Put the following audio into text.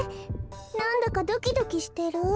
なんだかドキドキしてる？